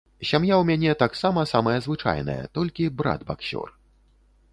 Сям'я ў мяне таксама самая звычайная, толькі брат баксёр.